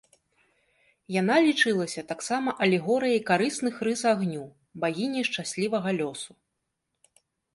Яна лічылася таксама алегорыяй карысных рыс агню, багіняй шчаслівага лёсу.